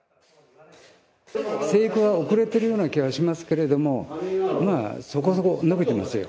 生育が遅れているような気がしますけどそこそこ伸びてますよ。